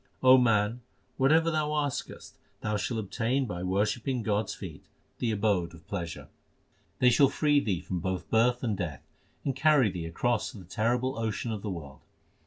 O man, whatever thou askest thou shalt obtain by worshipping God s feet, the abode of pleasure. HYMNS OF GURU ARJAN 385 They shall free thee from both birth and death, and carry thee across the terrible ocean of the world.